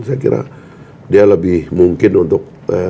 saya kira dia lebih mungkin untuk